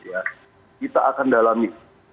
ya kita akan dalami